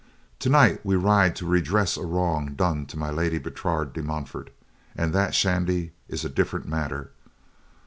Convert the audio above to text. Tonight we ride to redress a wrong done to My Lady Bertrade de Montfort, and that, Shandy, is a different matter.